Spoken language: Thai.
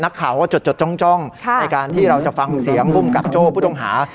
นักข่าวก็จดจ้องในการที่เราจะฟังเสียงภูมิกับโจ้ผู้ต้องหา